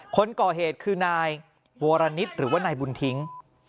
คนก่อเหตุคือนายวรณิตหรือว่านายบุญทิ้ง